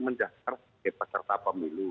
mendaftar sebagai peserta pemilu